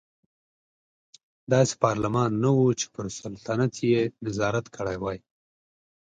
داسې پارلمان نه و چې پر سلطنت یې نظارت کړی وای.